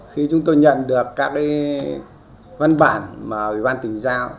khi chúng tôi nhận được các văn bản mà ủy ban tỉnh giao